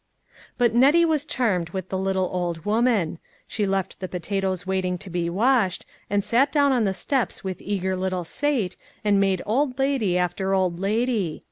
But Nettie was charmed with the little old woman. She left the potatoes waiting to be washed, and sat down on the steps with eager little Sate, and made old lady after old lady.